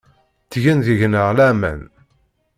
Ttgen deg-neɣ laman.